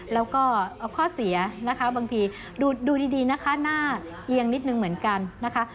แล้วก็ข้อเสียนะคะบางทีดูดีนะคะหน้าเอียงนิดนึงเหมือนกันนะคะ